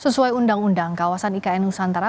sesuai undang undang kawasan ikn nusantara